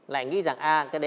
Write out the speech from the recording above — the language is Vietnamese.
lại nghĩ rằng